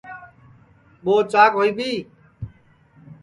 ٻو چاک ہوئی بھی